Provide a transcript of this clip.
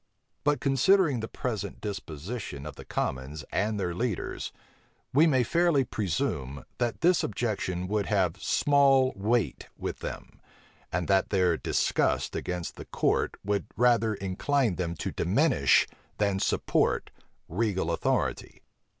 But considering the present disposition of the commons and their leaders, we may fairly presume, that this objection would have small weight with them, and that their disgust against the court would rather incline them to diminish than support regal authority.